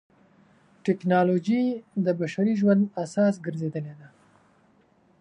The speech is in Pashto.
ټکنالوجي د بشري ژوند اساس ګرځېدلې ده.